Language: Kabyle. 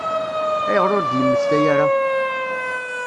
Ayɣer ur d-yemmekta ara?